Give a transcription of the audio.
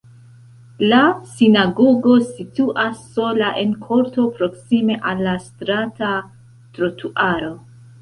La sinagogo situas sola en korto proksime al la strata trotuaro.